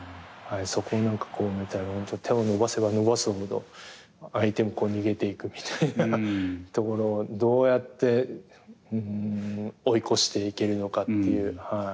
そこを手を伸ばせば伸ばすほど相手も逃げていくみたいなところをどうやって追い越していけるのかっていう。